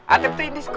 ateb itu yang disko